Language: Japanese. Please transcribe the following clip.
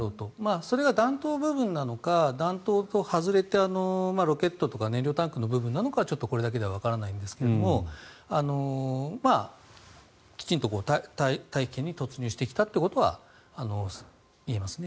それが弾頭部分なのか弾頭と外れてロケットとか燃料タンクの部分なのかはこれだけはわかりませんがきちんと大気圏に突入してきたということはいえますね。